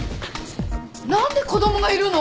何で子供がいるの？